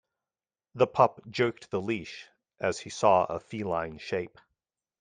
The pup jerked the leash as he saw a feline shape.